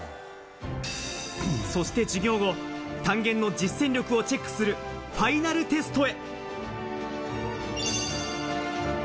そして授業後、単元の実践力をチェックするファイナルテストへ。